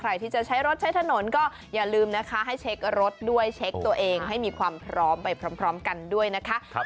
ใครที่จะใช้รถใช้ถนนก็อย่าลืมนะคะให้เช็ครถด้วยเช็คตัวเองให้มีความพร้อมไปพร้อมกันด้วยนะคะ